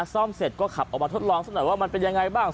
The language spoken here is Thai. ซ่อมเสร็จก็ขับออกมาทดลองสักหน่อยว่ามันเป็นยังไงบ้าง